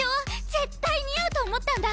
絶対似合うと思ったんだ！